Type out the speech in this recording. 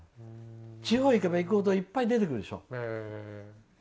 地方行けば行くほどいっぱい出てくるでしょ。